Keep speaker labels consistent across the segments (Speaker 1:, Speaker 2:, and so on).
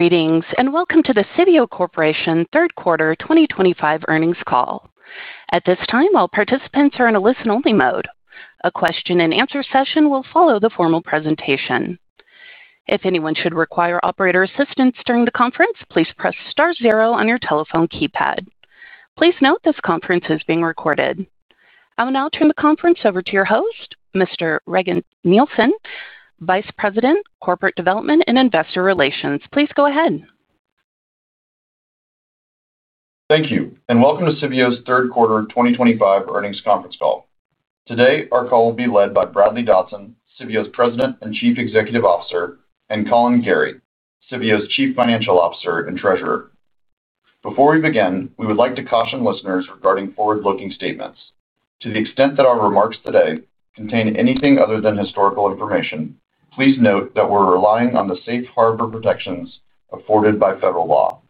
Speaker 1: Greetings and welcome to the Civeo Corporation third quarter 2025 earnings call. At this time, all participants are in a listen-only mode. A question-and-answer session will follow the formal presentation. If anyone should require operator assistance during the conference, please press star zero on your telephone keypad. Please note this conference is being recorded. I will now turn the conference over to your host, Mr. Regan Nielsen, Vice President, Corporate Development and Investor Relations. Please go ahead.
Speaker 2: Thank you, and welcome to Civeo's third quarter 2025 earnings conference call. Today, our call will be led by Bradley Dodson, Civeo's President and Chief Executive Officer, and Collin Gerry, Civeo's Chief Financial Officer and Treasurer. Before we begin, we would like to caution listeners regarding forward-looking statements. To the extent that our remarks today contain anything other than historical information, please note that we're relying on the safe harbor protections afforded by federal law.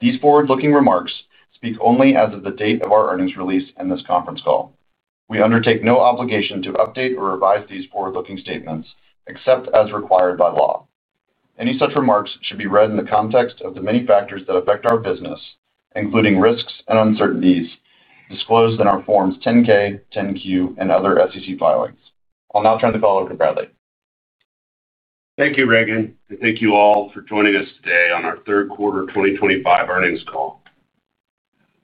Speaker 2: These forward-looking remarks speak only as of the date of our earnings release and this conference call. We undertake no obligation to update or revise these forward-looking statements except as required by law. Any such remarks should be read in the context of the many factors that affect our business, including risks and uncertainties, disclosed in our Forms 10-K, 10-Q, and other SEC filings. I'll now turn the call over to Bradley.
Speaker 3: Thank you, Regan, and thank you all for joining us today on our third quarter 2025 earnings call.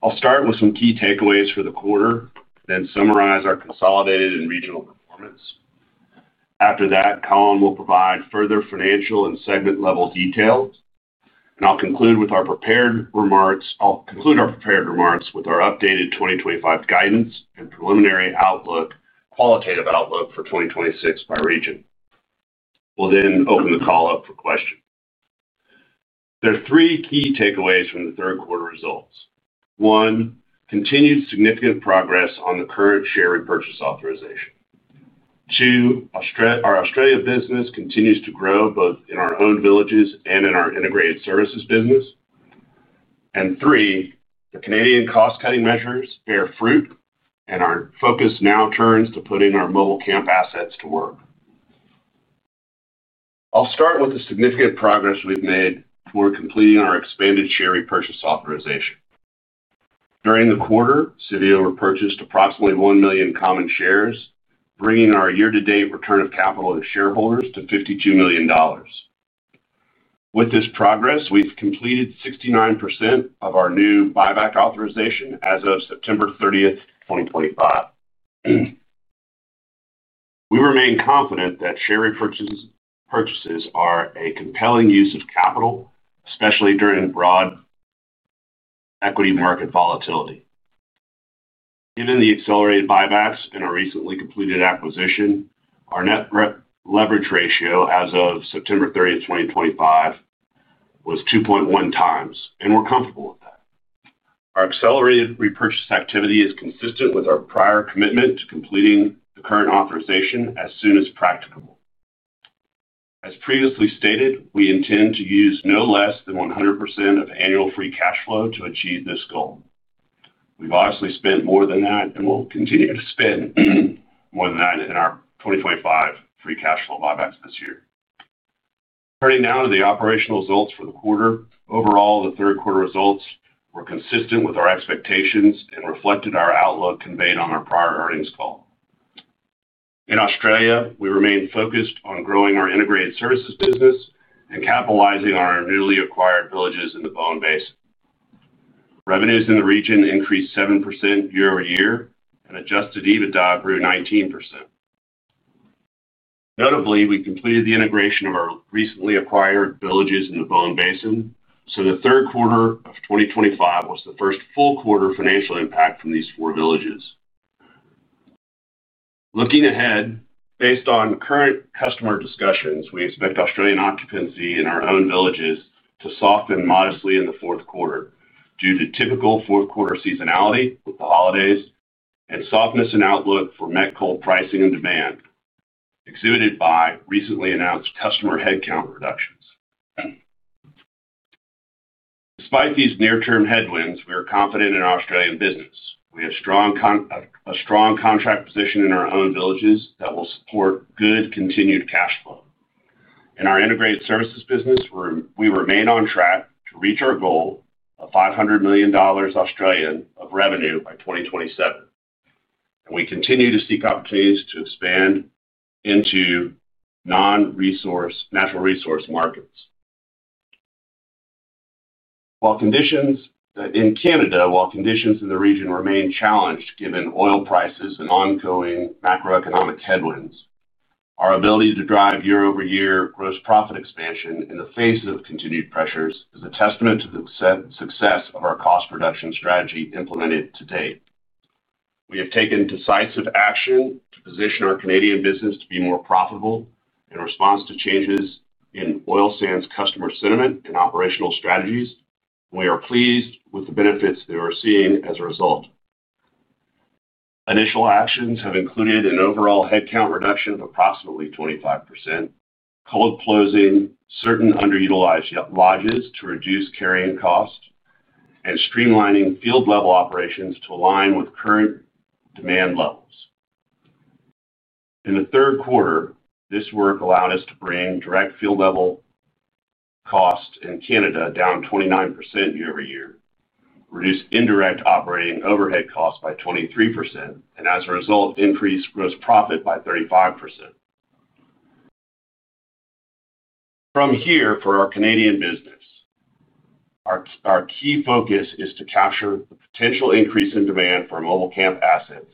Speaker 3: I'll start with some key takeaways for the quarter, then summarize our consolidated and regional performance. After that, Collin will provide further financial and segment-level details, and I'll conclude our prepared remarks with our updated 2025 guidance and preliminary qualitative outlook for 2026 by region. We'll then open the call up for questions. There are three key takeaways from the third quarter results. One, continued significant progress on the current share repurchase authorization. Two, our Australia business continues to grow both in our own villages and in our integrated services business. Three, the Canadian cost-cutting measures bear fruit, and our focus now turns to putting our mobile camp assets to work. I'll start with the significant progress we've made toward completing our expanded share repurchase authorization. During the quarter, Civeo repurchased approximately 1 million common shares, bringing our year-to-date return of capital to shareholders to $52 million. With this progress, we've completed 69% of our new buyback authorization as of September 30th, 2025. We remain confident that share repurchases are a compelling use of capital, especially during broad equity market volatility. Given the accelerated buybacks and our recently completed acquisition, our net leverage ratio as of September 30th, 2025, was 2.1x, and we're comfortable with that. Our accelerated repurchase activity is consistent with our prior commitment to completing the current authorization as soon as practicable. As previously stated, we intend to use no less than 100% of annual free cash flow to achieve this goal. We've obviously spent more than that, and we'll continue to spend more than that in our 2025 free cash flow buybacks this year. Turning now to the operational results for the quarter, overall, the third quarter results were consistent with our expectations and reflected our outlook conveyed on our prior earnings call. In Australia, we remain focused on growing our integrated services business and capitalizing on our newly acquired villages in the Bowen Basin. Revenues in the region increased 7% year-over-year and adjusted EBITDA grew 19%. Notably, we completed the integration of our recently acquired villages in the Bowen Basin, so the third quarter of 2025 was the first full quarter financial impact from these four villages. Looking ahead, based on current customer discussions, we expect Australian occupancy in our own villages to soften modestly in the fourth quarter due to typical fourth quarter seasonality with the holidays and softness in outlook for met coal pricing and demand, exhibited by recently announced customer headcount reductions. Despite these near-term headwinds, we are confident in our Australian business. We have a strong contract position in our own villages that will support good continued cash flow. In our integrated services business, we remain on track to reach our goal of 500 million Australian dollars of revenue by 2027, and we continue to seek opportunities to expand into non-resource natural resource markets. While conditions in Canada remain challenged given oil prices and ongoing macroeconomic headwinds, our ability to drive year-over-year gross profit expansion in the face of continued pressures is a testament to the success of our cost reduction strategy implemented to date. We have taken decisive action to position our Canadian business to be more profitable in response to changes in oil sands customer sentiment and operational strategies, and we are pleased with the benefits that we're seeing as a result. Initial actions have included an overall headcount reduction of approximately 25%, cold closing certain underutilized lodges to reduce carrying cost, and streamlining field-level operations to align with current demand levels. In the third quarter, this work allowed us to bring direct field-level costs in Canada down 29% year-over-year, reduce indirect operating overhead costs by 23%, and as a result, increase gross profit by 35%. From here, for our Canadian business, our key focus is to capture the potential increase in demand for mobile camp assets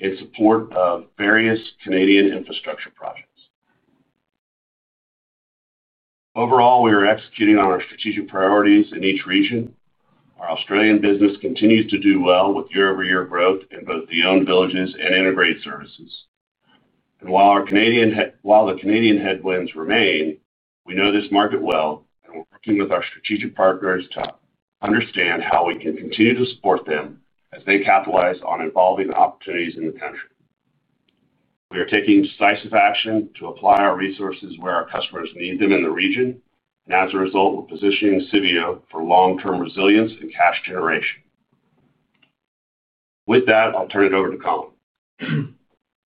Speaker 3: in support of various Canadian infrastructure projects. Overall, we are executing on our strategic priorities in each region. Our Australian business continues to do well with year-over-year growth in both the owned villages and integrated services. While our Canadian headwinds remain, we know this market well, and we're working with our strategic partners to understand how we can continue to support them as they capitalize on evolving opportunities in the country. We are taking decisive action to apply our resources where our customers need them in the region, and as a result, we're positioning Civeo for long-term resilience and cash generation. With that, I'll turn it over to Collin.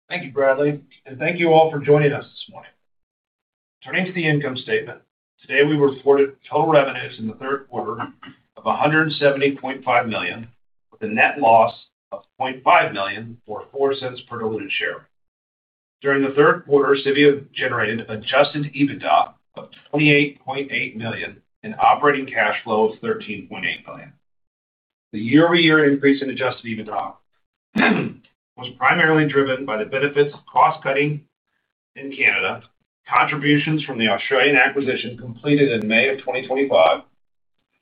Speaker 4: Thank you, Bradley, and thank you all for joining us this morning. Turning to the income statement, today we reported total revenues in the third quarter of $170.5 million, with a net loss of $0.5 million or $0.04 per dividend share. During the third quarter, Civeo generated an adjusted EBITDA of $28.8 million and operating cash flow of $13.8 million. The year-over-year increase in adjusted EBITDA was primarily driven by the benefits of cost-cutting in Canada, contributions from the Australian acquisition completed in May of 2025,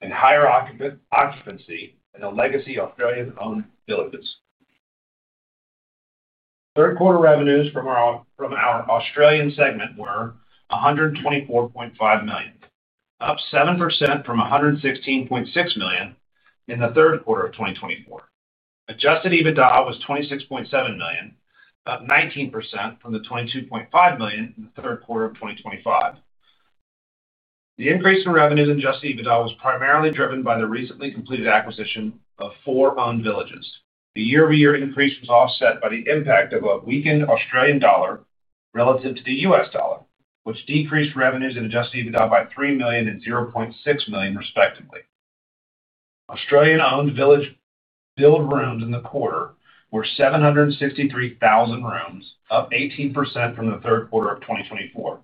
Speaker 4: and higher occupancy in the legacy Australian-owned villages. Third quarter revenues from our Australian segment were $124.5 million, up 7% from $116.6 million in the third quarter of 2024. Adjusted EBITDA was $26.7 million, up 19% from $22.5 million in the third quarter of 2025. The increase in revenues and adjusted EBITDA was primarily driven by the recently completed acquisition of four owned villages. The year-over-year increase was offset by the impact of a weakened Australian dollar relative to the U.S. dollar, which decreased revenues and adjusted EBITDA by $3 million and $0.6 million, respectively. Australian-owned village billed rooms in the quarter were 763,000 rooms, up 18% from the third quarter of 2024,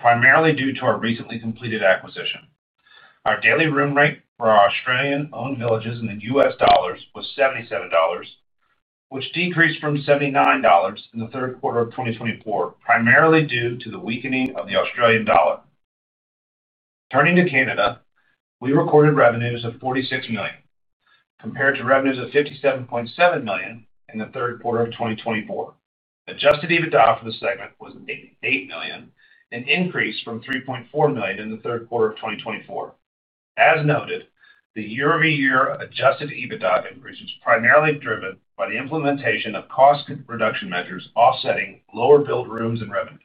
Speaker 4: primarily due to our recently completed acquisition. Our daily room rate for our Australian-owned villages in U.S. dollars was $77, which decreased from $79 in the third quarter of 2024, primarily due to the weakening of the Australian dollar. Turning to Canada, we recorded revenues of $46 million, compared to revenues of $57.7 million in the third quarter of 2024. Adjusted EBITDA for the segment was $8 million, an increase from $3.4 million in the third quarter of 2024. As noted, the year-over-year adjusted EBITDA increase was primarily driven by the implementation of cost-reduction measures offsetting lower billed rooms and revenues.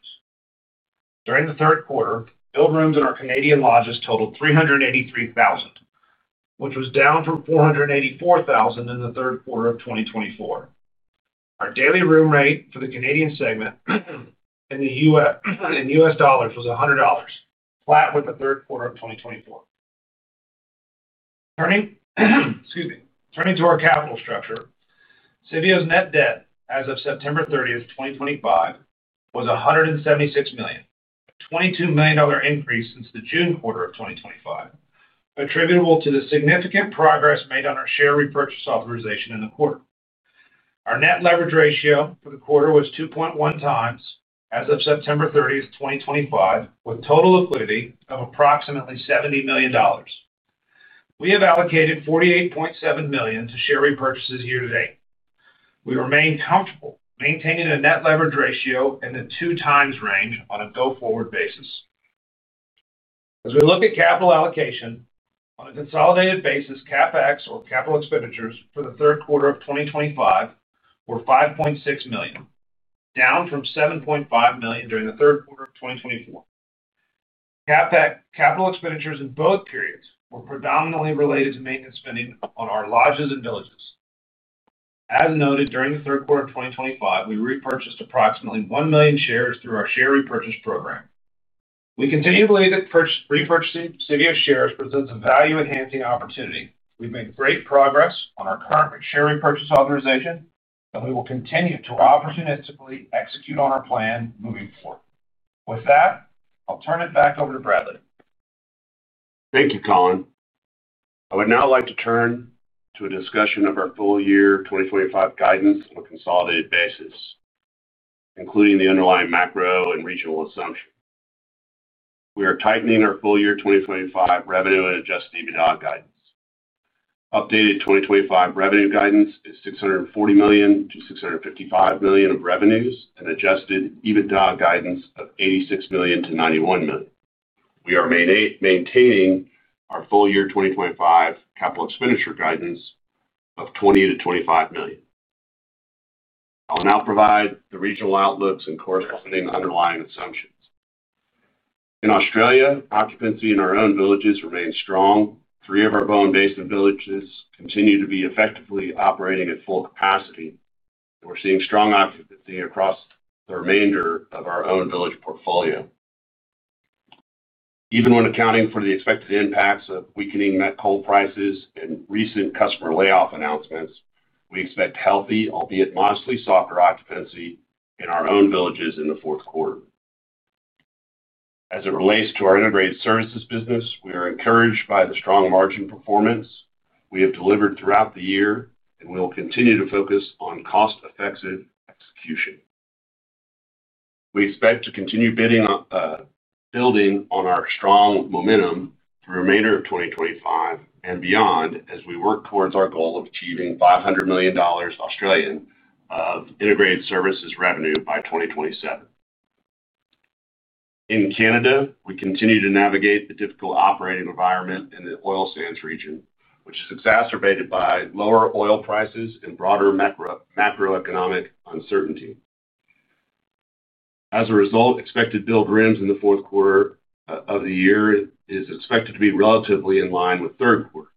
Speaker 4: During the third quarter, billed rooms in our Canadian lodges totaled 383,000, which was down from 484,000 in the third quarter of 2024. Our daily room rate for the Canadian segment in U.S. dollars was $100, flat with the third quarter of 2024. Turning to our capital structure, Civeo's net debt as of September 30th, 2025, was $176 million, a $22 million increase since the June quarter of 2025, attributable to the significant progress made on our share repurchase authorization in the quarter. Our net leverage ratio for the quarter was 2.1x as of September 30th, 2025, with total liquidity of approximately $70 million. We have allocated $48.7 million to share repurchases year-to-date. We remain comfortable maintaining a net leverage ratio in the 2x range on a go-forward basis. As we look at capital allocation, on a consolidated basis, CapEx or capital expenditures for the third quarter of 2025 were $5.6 million, down from $7.5 million during the third quarter of 2024. CapEx capital expenditures in both periods were predominantly related to maintenance spending on our lodges and villages. As noted, during the third quarter of 2025, we repurchased approximately 1 million shares through our share repurchase program. We continue to believe that repurchasing Civeo shares presents a value-enhancing opportunity. We've made great progress on our current share repurchase authorization, and we will continue to opportunistically execute on our plan moving forward. With that, I'll turn it back over to Bradley.
Speaker 3: Thank you, Collin. I would now like to turn to a discussion of our full-year 2025 guidance on a consolidated basis, including the underlying macro and regional assumption. We are tightening our full-year 2025 revenue and adjusted EBITDA guidance. Updated 2025 revenue guidance is $640 million-$655 million of revenues and adjusted EBITDA guidance of $86 million-$91 million. We are maintaining our full-year 2025 capital expenditure guidance of $20 million-$25 million. I'll now provide the regional outlooks and corresponding underlying assumptions. In Australia, occupancy in our own villages remains strong. Three of our Bowen Basin villages continue to be effectively operating at full capacity, and we're seeing strong occupancy across the remainder of our own village portfolio. Even when accounting for the expected impacts of weakening met coal prices and recent customer layoff announcements, we expect healthy, albeit modestly softer occupancy in our own villages in the fourth quarter. As it relates to our integrated services business, we are encouraged by the strong margin performance we have delivered throughout the year, and we will continue to focus on cost-effective execution. We expect to continue bidding, building on our strong momentum through the remainder of 2025 and beyond as we work towards our goal of achieving 500 million Australian dollars of integrated services revenue by 2027. In Canada, we continue to navigate the difficult operating environment in the oil sands region, which is exacerbated by lower oil prices and broader macroeconomic uncertainty. As a result, expected build rooms in the fourth quarter of the year is expected to be relatively in line with the third quarter.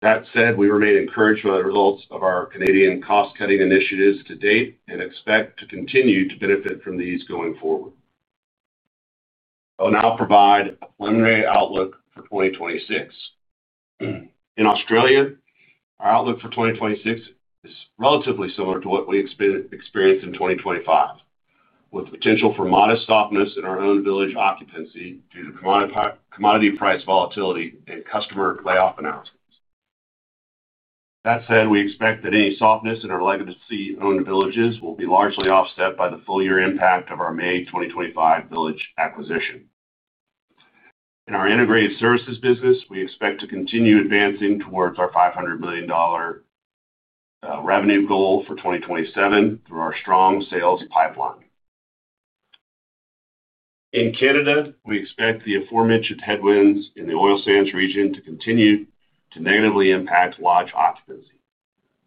Speaker 3: That said, we remain encouraged by the results of our Canadian cost-cutting initiatives to date and expect to continue to benefit from these going forward. I'll now provide a preliminary outlook for 2026. In Australia, our outlook for 2026 is relatively similar to what we experienced in 2025, with the potential for modest softness in our own village occupancy due to commodity price volatility and customer layoff announcements. That said, we expect that any softness in our legacy owned villages will be largely offset by the full-year impact of our May 2025 village acquisition. In our integrated services business, we expect to continue advancing towards our 500 million dollar revenue goal for 2027 through our strong sales pipeline. In Canada, we expect the aforementioned headwinds in the oil sands region to continue to negatively impact lodge occupancy.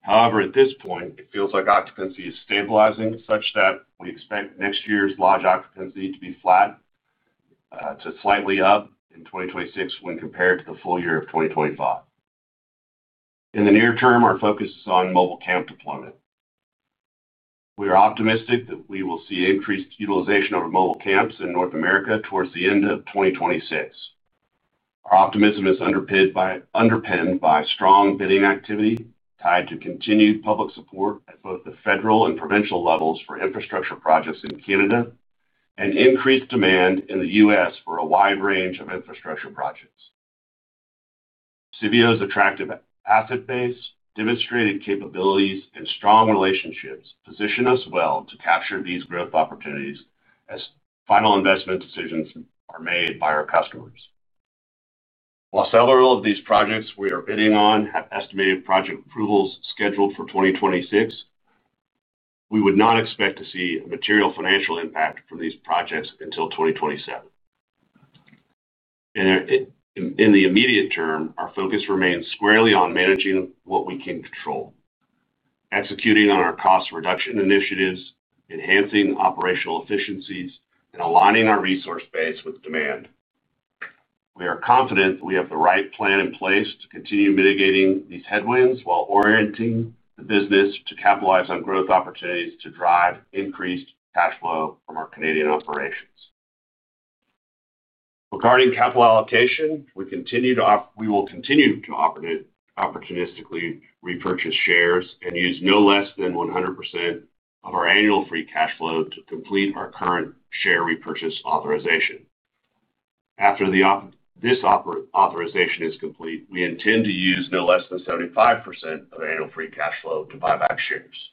Speaker 3: However, at this point, it feels like occupancy is stabilizing such that we expect next year's lodge occupancy to be flat to slightly up in 2026 when compared to the full year of 2025. In the near term, our focus is on mobile camp deployment. We are optimistic that we will see increased utilization of mobile camps in North America towards the end of 2026. Our optimism is underpinned by strong bidding activity tied to continued public support at both the federal and provincial levels for infrastructure projects in Canada and increased demand in the U.S. for a wide range of infrastructure projects. Civeo's attractive asset base, demonstrated capabilities, and strong relationships position us well to capture these growth opportunities as final investment decisions are made by our customers. While several of these projects we are bidding on have estimated project approvals scheduled for 2026, we would not expect to see a material financial impact from these projects until 2027. In the immediate term, our focus remains squarely on managing what we can control, executing on our cost reduction initiatives, enhancing operational efficiencies, and aligning our resource base with demand. We are confident that we have the right plan in place to continue mitigating these headwinds while orienting the business to capitalize on growth opportunities to drive increased cash flow from our Canadian operations. Regarding capital allocation, we will continue to opportunistically repurchase shares and use no less than 100% of our annual free cash flow to complete our current share repurchase authorization. After this authorization is complete, we intend to use no less than 75% of annual free cash flow to buy back shares.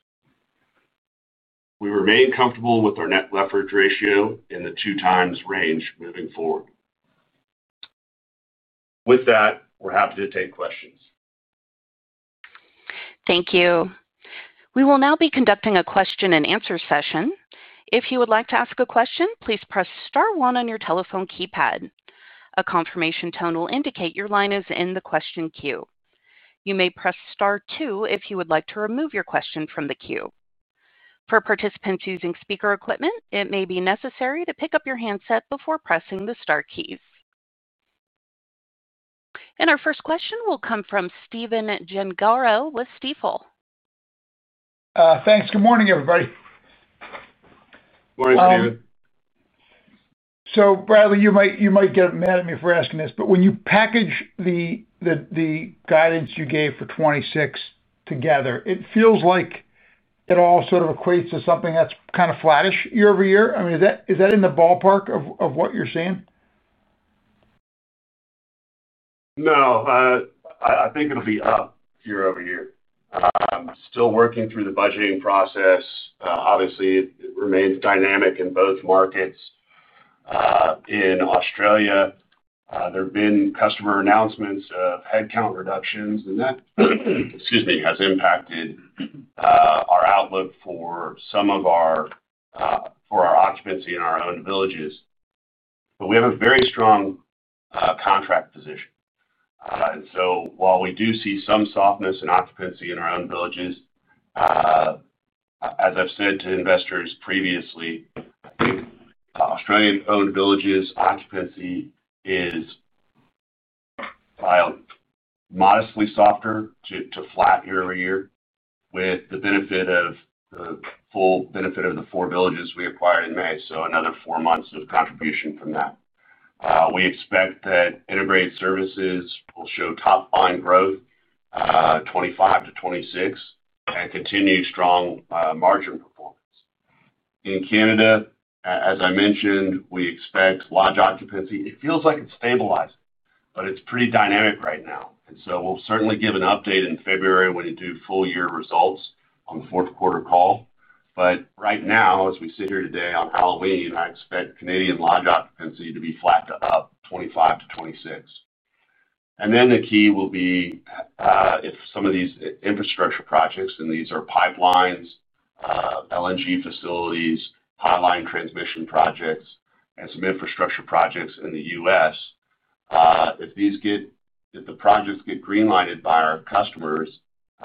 Speaker 3: We remain comfortable with our net leverage ratio in the 2x range moving forward. With that, we're happy to take questions.
Speaker 1: Thank you. We will now be conducting a question-and-answer session. If you would like to ask a question, please press star one on your telephone keypad. A confirmation tone will indicate your line is in the question queue. You may press star two if you would like to remove your question from the queue. For participants using speaker equipment, it may be necessary to pick up your handset before pressing the star keys. Our first question will come from Stephen Gengaro with Stifel.
Speaker 5: Thanks. Good morning, everybody.
Speaker 3: Morning, Stephen.
Speaker 5: Bradley, you might get mad at me for asking this, but when you package the guidance you gave for 2026 together, it feels like it all sort of equates to something that's kind of flattish year-over-year. I mean, is that in the ballpark of what you're seeing?
Speaker 3: No. I think it'll be up year-over-year. Still working through the budgeting process. Obviously, it remains dynamic in both markets. In Australia, there have been customer announcements of headcount reductions, and that, excuse me, has impacted our outlook for some of our occupancy in our own villages. We have a very strong contract position, and so while we do see some softness in occupancy in our own villages, as I've said to investors previously, I think Australian-owned villages' occupancy is modestly softer to flat year-over-year with the full benefit of the four villages we acquired in May, so another four months of contribution from that. We expect that integrated services will show top-line growth, 2025 to 2026, and continue strong margin performance. In Canada, as I mentioned, we expect lodge occupancy. It feels like it's stabilizing, but it's pretty dynamic right now. We'll certainly give an update in February when we do full-year results on the fourth quarter call. Right now, as we sit here today on Halloween, I expect Canadian lodge occupancy to be flat to up 2025 to 2026. The key will be if some of these infrastructure projects, and these are pipelines, LNG facilities, high-line transmission projects, and some infrastructure projects in the U.S., if the projects get greenlighted by our customers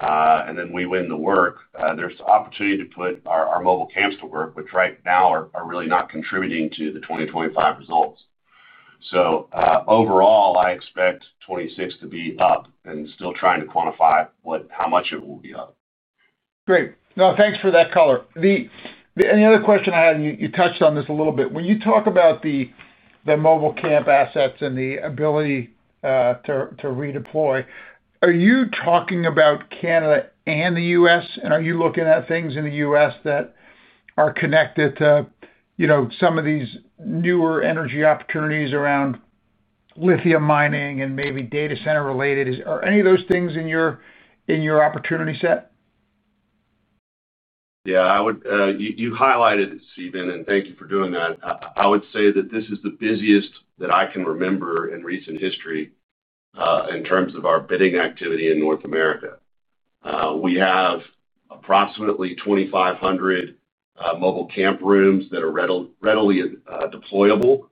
Speaker 3: and then we win the work, there's the opportunity to put our mobile camps to work, which right now are really not contributing to the 2025 results. Overall, I expect 2026 to be up and still trying to quantify how much it will be up.
Speaker 5: Great, thanks for that color. The other question I had, and you touched on this a little bit, when you talk about the mobile camp assets and the ability to redeploy, are you talking about Canada and the U.S.? Are you looking at things in the U.S. that are connected to some of these newer energy opportunities around lithium mining and maybe data center related? Are any of those things in your opportunity set?
Speaker 3: Yeah. You highlighted it, Stephen, and thank you for doing that. I would say that this is the busiest that I can remember in recent history. In terms of our bidding activity in North America, we have approximately 2,500 mobile camp rooms that are readily deployable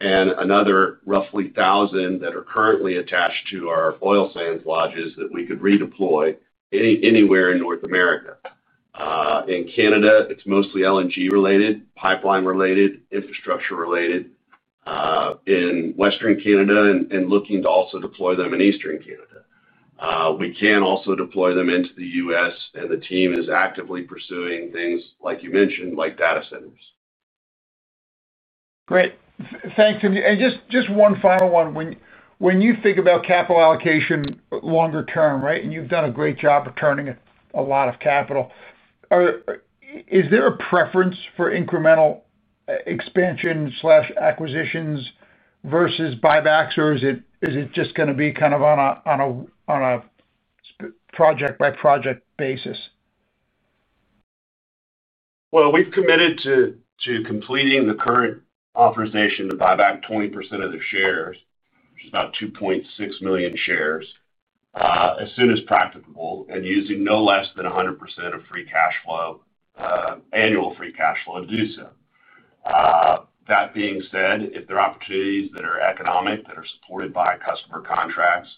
Speaker 3: and another roughly 1,000 that are currently attached to our oil sands lodges that we could redeploy anywhere in North America. In Canada, it's mostly LNG-related, pipeline-related, infrastructure-related. In Western Canada and looking to also deploy them in Eastern Canada. We can also deploy them into the U.S., and the team is actively pursuing things, like you mentioned, like data centers.
Speaker 5: Great. Thanks. Just one final one. When you think about capital allocation longer term, right, and you've done a great job of turning a lot of capital, is there a preference for incremental expansion/acquisitions versus buybacks, or is it just going to be kind of on a project-by-project basis?
Speaker 3: We've committed to completing the current authorization to buy back 20% of their shares, which is about 2.6 million shares, as soon as practicable and using no less than 100% of free cash flow, annual free cash flow to do so. That being said, if there are opportunities that are economic, that are supported by customer contracts,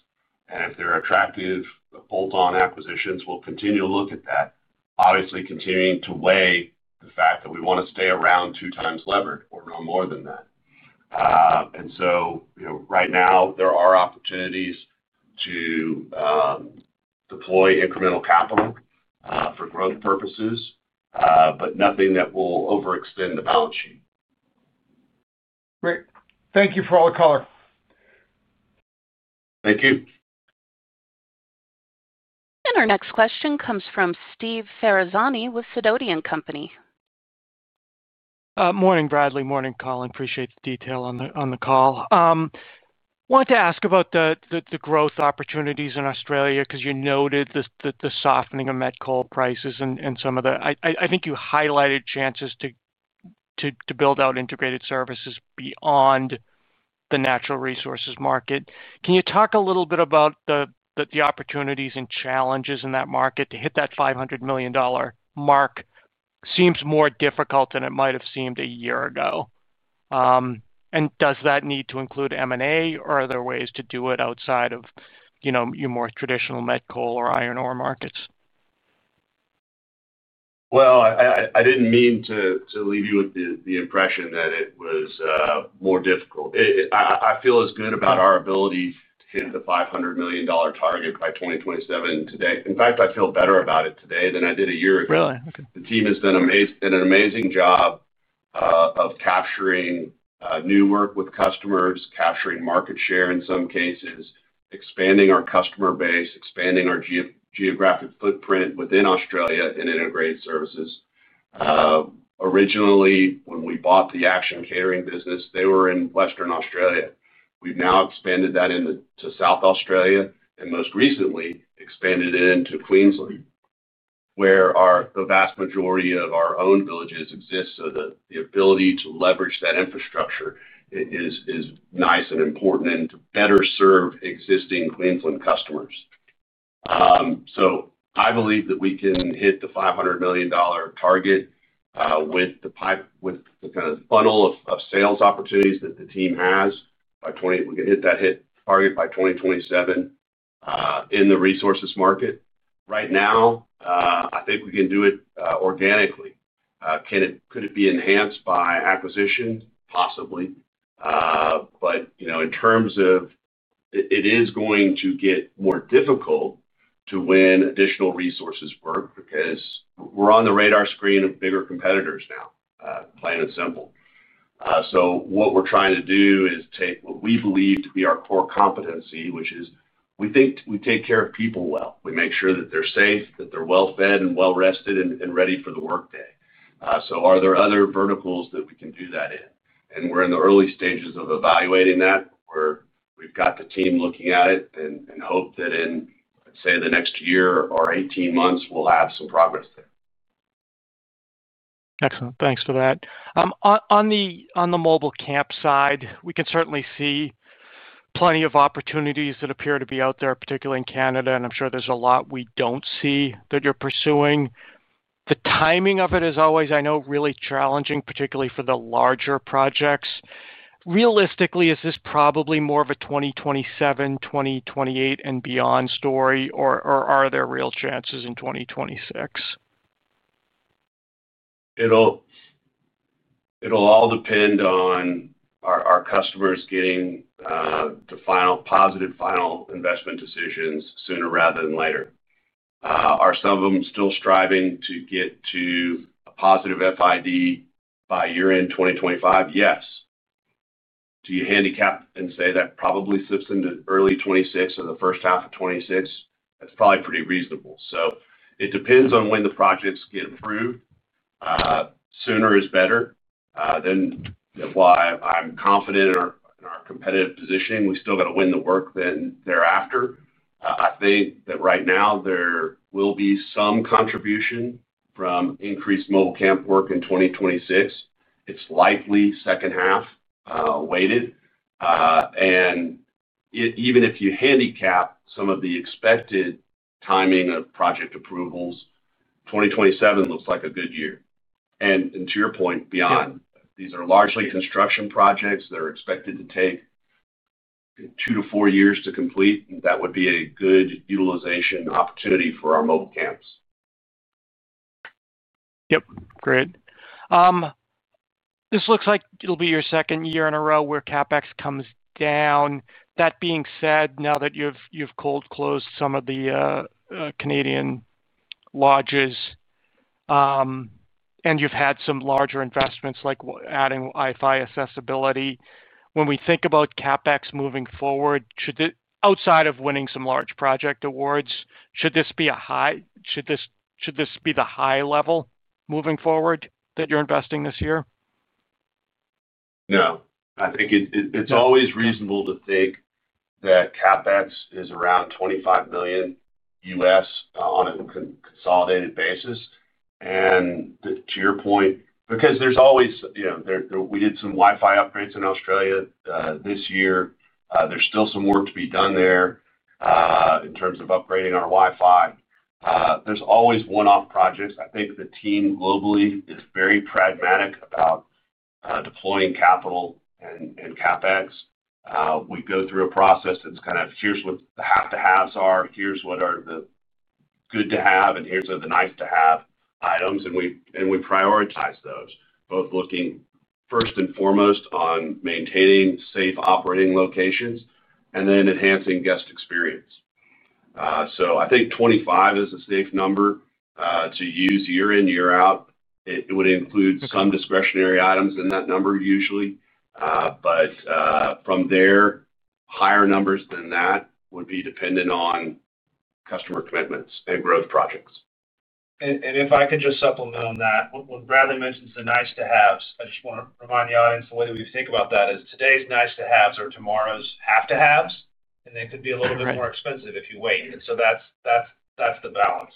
Speaker 3: and if they're attractive, the bolt-on acquisitions will continue to look at that, obviously continuing to weigh the fact that we want to stay around 2x levered or no more than that. Right now, there are opportunities to deploy incremental capital for growth purposes, but nothing that will overextend the balance sheet.
Speaker 5: Great. Thank you for all the color.
Speaker 3: Thank you.
Speaker 1: Our next question comes from Steve Ferazani with Sidoti & Company.
Speaker 6: Morning, Bradley. Morning, Collin. Appreciate the detail on the call. I wanted to ask about the growth opportunities in Australia because you noted the softening of met coal prices and some of the—I think you highlighted chances to build out integrated services beyond the natural resources market. Can you talk a little bit about the opportunities and challenges in that market to hit that 500 million dollar mark? Seems more difficult than it might have seemed a year ago. Does that need to include M&A or other ways to do it outside of your more traditional met coal or iron ore markets?
Speaker 3: I didn't mean to leave you with the impression that it was more difficult. I feel as good about our ability to hit the 500 million dollar target by 2027 today. In fact, I feel better about it today than I did a year ago. The team has done an amazing job of capturing new work with customers, capturing market share in some cases, expanding our customer base, expanding our geographic footprint within Australia and integrated services. Originally, when we bought the action catering business, they were in Western Australia. We've now expanded that into South Australia and most recently expanded it into Queensland, where the vast majority of our own villages exist. The ability to leverage that infrastructure is nice and important and to better serve existing Queensland customers. I believe that we can hit the 500 million dollar target with the kind of funnel of sales opportunities that the team has. We can hit that target by 2027 in the resources market. Right now, I think we can do it organically. Could it be enhanced by acquisition? Possibly. In terms of, it is going to get more difficult to win additional resources work because we're on the radar screen of bigger competitors now, plain and simple. What we're trying to do is take what we believe to be our core competency, which is we take care of people well. We make sure that they're safe, that they're well-fed and well-rested and ready for the workday. Are there other verticals that we can do that in? We're in the early stages of evaluating that. We've got the team looking at it and hope that in, say, the next year or 18 months, we'll have some progress there.
Speaker 6: Excellent. Thanks for that. On the mobile camp side, we can certainly see plenty of opportunities that appear to be out there, particularly in Canada, and I'm sure there's a lot we don't see that you're pursuing. The timing of it is always, I know, really challenging, particularly for the larger projects. Realistically, is this probably more of a 2027, 2028, and beyond story, or are there real chances in 2026?
Speaker 3: It all depends on our customers getting the final positive final investment decisions sooner rather than later. Are some of them still striving to get to a positive FID by year-end 2025? Yes. To your handicap and say that probably slips into early 2026 or the first half of 2026, that's probably pretty reasonable. It depends on when the projects get approved. Sooner is better. While I'm confident in our competitive positioning, we still got to win the work thereafter. I think that right now, there will be some contribution from increased mobile camp work in 2026. It's likely second half weighted. Even if you handicap some of the expected timing of project approvals, 2027 looks like a good year. To your point, beyond, these are largely construction projects. They're expected to take two to four years to complete, and that would be a good utilization opportunity for our mobile camps.
Speaker 6: Great. This looks like it'll be your second year in a row where CapEx comes down. That being said, now that you've cold closed some of the Canadian lodges and you've had some larger investments like adding Wi-Fi accessibility, when we think about CapEx moving forward, outside of winning some large project awards, should this be the high level moving forward that you're investing this year?
Speaker 3: No. I think it's always reasonable to think that CapEx is around $25 million on a consolidated basis. To your point, because there's always—we did some Wi-Fi upgrades in Australia this year. There's still some work to be done there in terms of upgrading our Wi-Fi. There's always one-off projects. I think the team globally is very pragmatic about deploying capital and CapEx. We go through a process that's kind of, "Here's what the have-to-haves are. Here's what are the good-to-have and here's the nice-to-have items." We prioritize those, both looking first and foremost on maintaining safe operating locations and then enhancing guest experience. I think $25 million is a safe number to use year-in, year-out. It would include some discretionary items in that number usually. From there, higher numbers than that would be dependent on customer commitments and growth projects.
Speaker 4: If I could just supplement on that, when Bradley mentions the nice-to-haves, I just want to remind the audience the way that we think about that is today's nice-to-haves are tomorrow's have-to-haves, and they could be a little bit more expensive if you wait. That is the balance.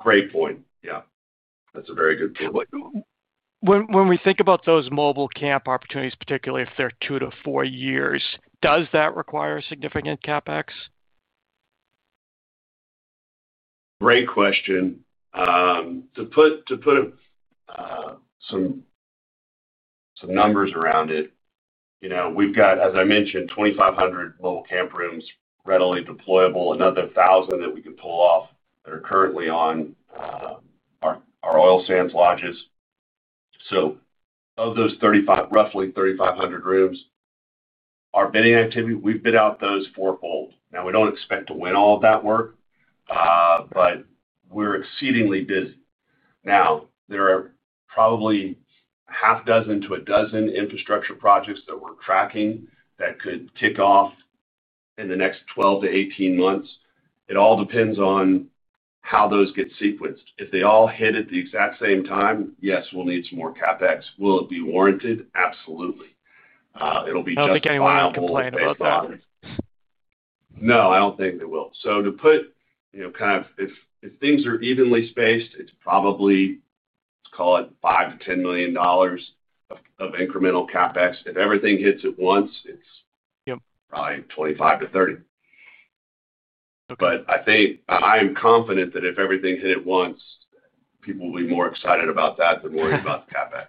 Speaker 3: Great point. Yeah, that's a very good point.
Speaker 6: When we think about those mobile camp opportunities, particularly if they're two to four years, does that require significant CapEx?
Speaker 3: Great question. To put some numbers around it, we've got, as I mentioned, 2,500 mobile camp rooms readily deployable, another 1,000 that we can pull off that are currently on our oil sands lodges. So of those roughly 3,500 rooms, our bidding activity, we've bid out those four-fold. Now, we don't expect to win all of that work, but we're exceedingly busy. Now, there are probably a half dozen to a dozen infrastructure projects that we're tracking that could kick off in the next 12-18 months. It all depends on how those get sequenced. If they all hit at the exact same time, yes, we'll need some more CapEx. Will it be warranted? Absolutely. It'll be just.
Speaker 6: I don't think anyone will complain about that.
Speaker 3: No, I don't think they will. To put kind of, if things are evenly spaced, it's probably, let's call it $5 million-$10 million of incremental CapEx. If everything hits at once, it's probably $25 million-$30 million. I am confident that if everything hit at once, people will be more excited about that than worried about the CapEx.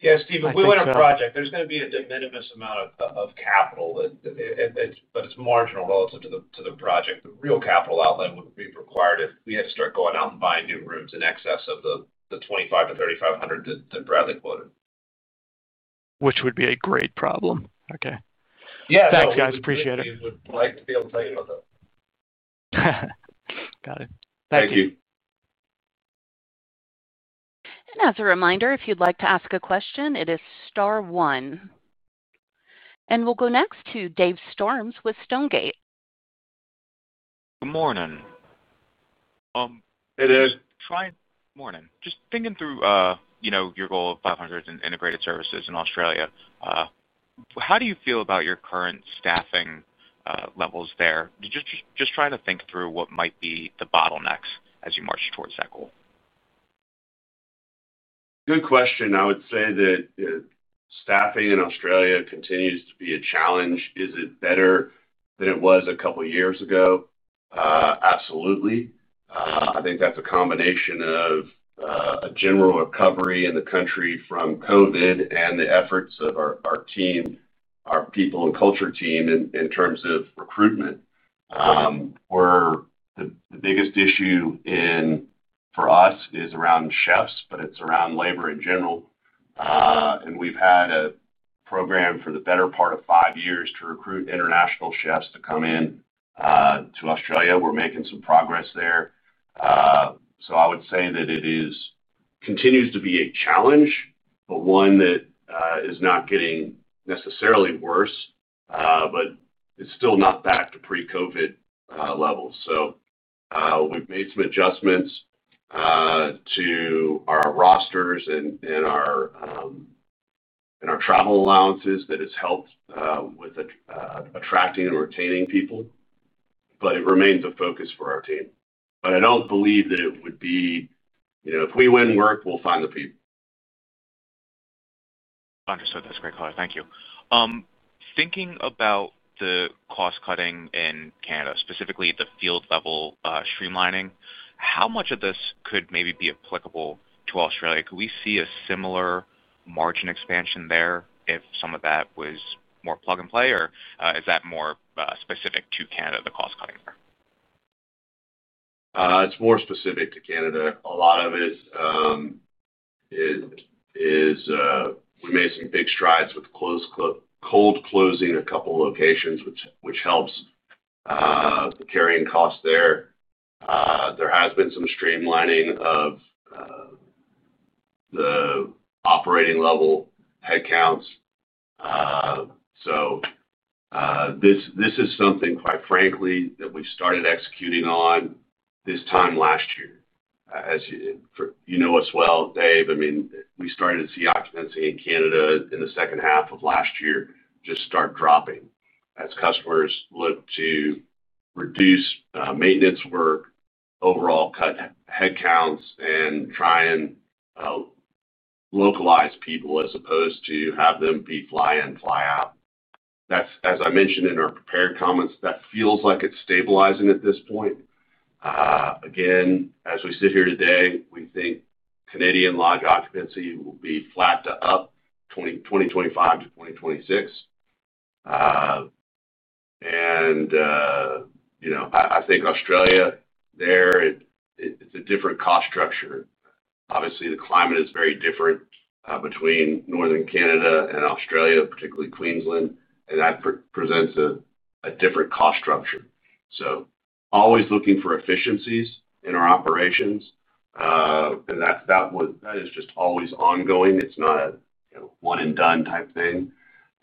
Speaker 4: Yeah, Steve.
Speaker 3: If we win a project, there's going to be a de minimis amount of capital. It's marginal relative to the project. The real capital outlay would be required if we had to start going out and buying new rooms in excess of the 2,500-3,500 that Bradley quoted.
Speaker 6: Which would be a great problem. Yeah, thanks, guys. Appreciate it.
Speaker 4: We would like to be able to tell you about that.
Speaker 6: Got it. Thank you.
Speaker 3: Thank you.
Speaker 1: As a reminder, if you'd like to ask a question, it is star one. We'll go next to Dave Storms with Stonegate.
Speaker 7: Good morning.
Speaker 3: Hey, Dave.
Speaker 7: Morning. Just thinking through your goal of 500 integrated services in Australia, how do you feel about your current staffing levels there? Just trying to think through what might be the bottlenecks as you march towards that goal.
Speaker 3: Good question. I would say that staffing in Australia continues to be a challenge. Is it better than it was a couple of years ago? Absolutely. I think that's a combination of a general recovery in the country from COVID and the efforts of our team, our people and culture team in terms of recruitment. The biggest issue for us is around chefs, but it's around labor in general. We've had a program for the better part of five years to recruit international chefs to come in to Australia. We're making some progress there. I would say that it continues to be a challenge, but one that is not getting necessarily worse, but it's still not back to pre-COVID levels. We've made some adjustments to our rosters and our travel allowances that has helped with attracting and retaining people. It remains a focus for our team. I don't believe that it would be, if we win work, we'll find the people.
Speaker 7: Understood. That's great, Collin. Thank you. Thinking about the cost-cutting in Canada, specifically the field-level streamlining, how much of this could maybe be applicable to Australia? Could we see a similar margin expansion there if some of that was more plug and play, or is that more specific to Canada, the cost-cutting there?
Speaker 3: It's more specific to Canada. A lot of it is. We made some big strides with cold closing a couple of locations, which helps the carrying costs there. There has been some streamlining of the operating-level headcounts. This is something, quite frankly, that we started executing on this time last year. As you know as well, Dave, I mean, we started to see occupancy in Canada in the second half of last year just start dropping as customers look to reduce maintenance work, overall cut headcounts, and try and localize people as opposed to have them be fly-in, fly-out. As I mentioned in our prepared comments, that feels like it's stabilizing at this point. Again, as we sit here today, we think Canadian lodge occupancy will be flat to up 2025 to 2026. I think Australia, there it's a different cost structure. Obviously, the climate is very different between northern Canada and Australia, particularly Queensland, and that presents a different cost structure. Always looking for efficiencies in our operations, and that is just always ongoing. It's not a one-and-done type thing.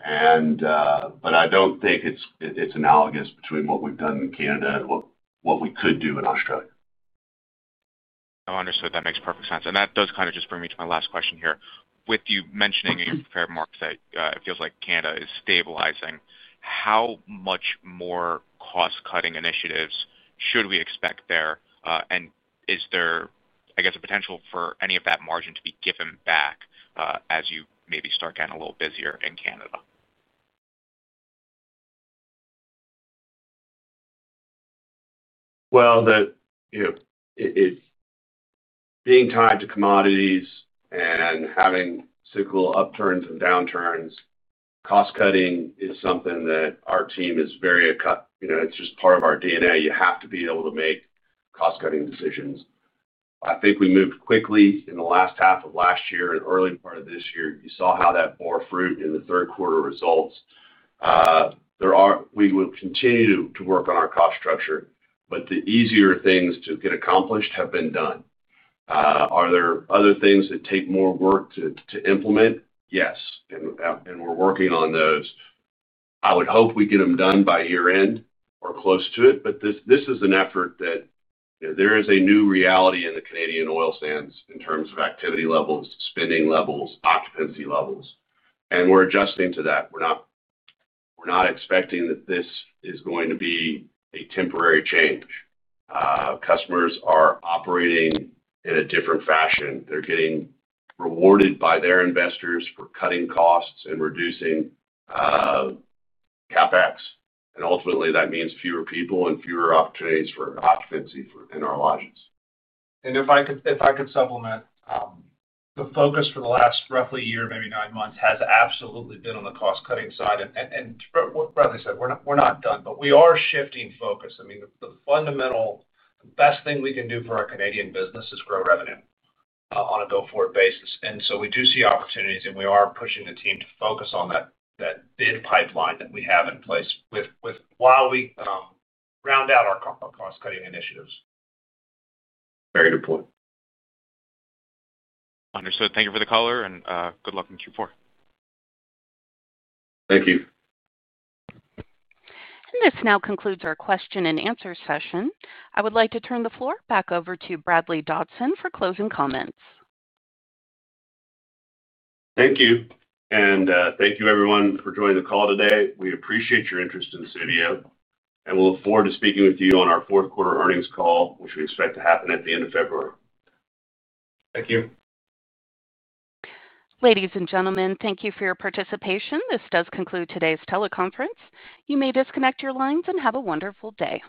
Speaker 3: I don't think it's analogous between what we've done in Canada and what we could do in Australia.
Speaker 7: I understood. That makes perfect sense. That does kind of just bring me to my last question here. With you mentioning in your prepared marks that it feels like Canada is stabilizing, how much more cost-cutting initiatives should we expect there? Is there, I guess, a potential for any of that margin to be given back as you maybe start getting a little busier in Canada?
Speaker 3: Being tied to commodities and having cyclical upturns and downturns, cost-cutting is something that our team is very—it’s just part of our DNA. You have to be able to make cost-cutting decisions. I think we moved quickly in the last half of last year and early part of this year. You saw how that bore fruit in the third-quarter results. We will continue to work on our cost structure, but the easier things to get accomplished have been done. Are there other things that take more work to implement? Yes. We’re working on those. I would hope we get them done by year-end or close to it, but this is an effort that. There is a new reality in the Canadian oil sands in terms of activity levels, spending levels, occupancy levels. We’re adjusting to that. We’re not expecting that this is going to be a temporary change. Customers are operating in a different fashion. They’re getting rewarded by their investors for cutting costs and reducing CapEx. Ultimately, that means fewer people and fewer opportunities for occupancy in our lodges.
Speaker 4: If I could supplement, the focus for the last roughly year, maybe nine months, has absolutely been on the cost-cutting side. What Bradley said, we're not done, but we are shifting focus. The fundamental, the best thing we can do for our Canadian business is grow revenue on a go-forward basis. We do see opportunities, and we are pushing the team to focus on that bid pipeline that we have in place while we round out our cost-cutting initiatives.
Speaker 3: Very good point.
Speaker 7: Understood. Thank you for the color, and good luck in Q4.
Speaker 3: Thank you.
Speaker 1: This now concludes our question-and-answer session. I would like to turn the floor back over to Bradley Dodson for closing comments.
Speaker 3: Thank you. Thank you, everyone, for joining the call today. We appreciate your interest in Civeo. We'll look forward to speaking with you on our fourth-quarter earnings call, which we expect to happen at the end of February.
Speaker 4: Thank you.
Speaker 1: Ladies and gentlemen, thank you for your participation. This does conclude today's teleconference. You may disconnect your lines and have a wonderful day.